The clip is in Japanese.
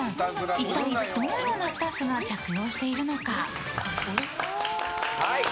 一体どのようなスタッフが着用しているのか。